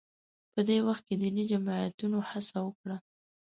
په دې وخت کې دیني جماعتونو هڅه وکړه